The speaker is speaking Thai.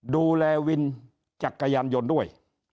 ดูแลวินจักรยานยนต์ด้วย